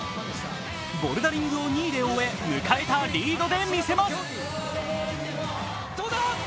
ボルダリングを２位で終え迎えたリードで見せます。